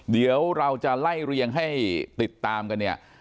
เดี๋ยวเราจะไล่เรียงให้ติดตามกันเนี่ย